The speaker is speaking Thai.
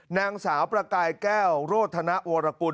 นางสาวประกายแก้วโรธนวรกุล